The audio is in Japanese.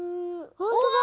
ほんとだ！